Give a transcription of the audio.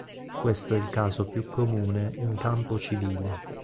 Questo è il caso più comune in campo civile.